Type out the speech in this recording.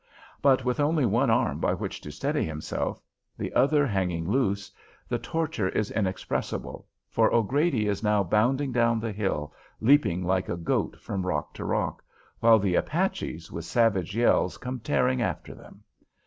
But with only one arm by which to steady himself, the other hanging loose, the torture is inexpressible, for O'Grady is now bounding down the hill, leaping like a goat from rock to rock, while the Apaches with savage yells come tearing after them.